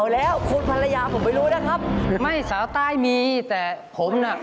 นี่พูดเหมือนมีเลย